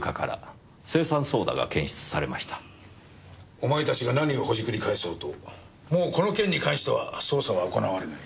お前たちが何をほじくり返そうともうこの件に関しては捜査は行われない。